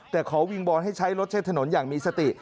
แต่ขอวิงบอลให้ใช้รถใช้ถนนอย่างมีสติ